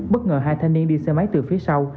bất ngờ hai thanh niên đi xe máy từ phía sau